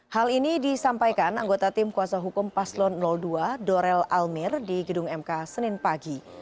hal ini disampaikan anggota tim kuasa hukum paslon dua dorel almir di gedung mk senin pagi